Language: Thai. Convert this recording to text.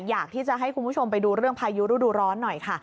อยากที่จะให้คุณผู้ชมไปดูเรื่องพายุฤดูร้อนหน่อยค่ะ